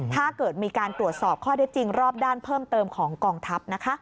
ถ้าเกิดมีการตรวจสอบข้อได้จริงรอบด้านเพิ่มเติมของกองทัพ